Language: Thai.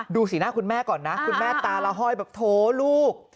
สีหน้าคุณแม่ก่อนนะคุณแม่ตาละห้อยบอกโถลูก